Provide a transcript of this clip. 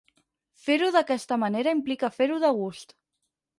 Fer-ho d'aquesta manera implica fer-ho de gust.